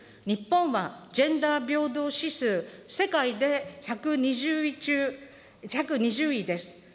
日本はジェンダー平等指数、世界で１２０位中１２０位です。